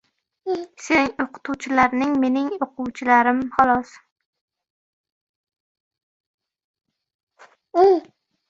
• Sening o‘qituvchilarning ― mening o‘quvchilarim xolos.